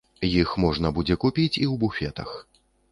Іх можна будзе купіць і ў буфетах.